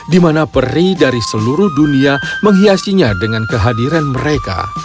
di mana peri dari seluruh dunia menghiasinya dengan kehadiran mereka